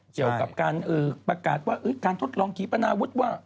เกี่ยวกับการประกาศว่าการทดลองขีปนาวุฒิว่า